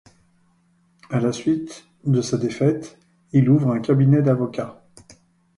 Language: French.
À la suite de sa défaite, il ouvre un cabinet d'avocat.